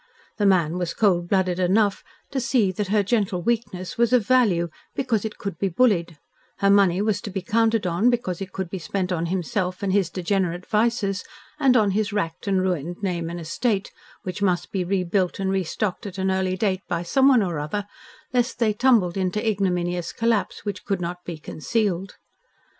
The man was cold blooded enough to see that her gentle weakness was of value because it could be bullied, her money was to be counted on because it could be spent on himself and his degenerate vices and on his racked and ruined name and estate, which must be rebuilt and restocked at an early date by someone or other, lest they tumbled into ignominious collapse which could not be concealed.